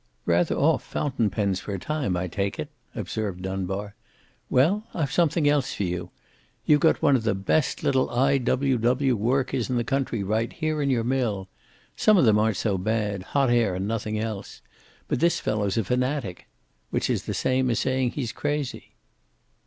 "Rather off fountain pens for a time, I take it!" observed Dunbar. "Well, I've something else for you. You've got one of the best little I.W.W. workers in the country right here in your mill. Some of them aren't so bad hot air and nothing else. But this fellow's a fanatic. Which is the same as saying he's crazy."